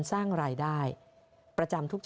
สร้างรายได้ประจำทุกปี